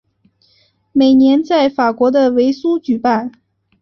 每年在法国的维苏举办。